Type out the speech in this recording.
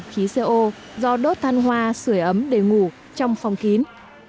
các bác sĩ cũng cảnh báo ngộ độc khí co do đốt than hoa sửa ấm để ngủ trong phòng kín